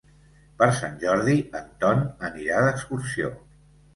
Per Sant Jordi en Ton anirà d'excursió.